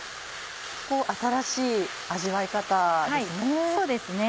新しい味わい方ですね。